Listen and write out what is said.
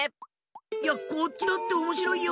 こっちだっておもしろいよ。